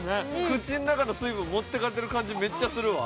口の中の水分持っていかれてる感じめっちゃするわ。